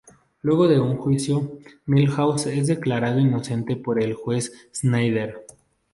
Luego de un juicio, Milhouse es declarado inocente por el Juez Snyder.